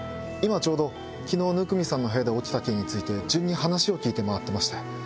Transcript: ちょうど昨日生見さんの部屋で起きた件について順に話を聞いて回ってまして。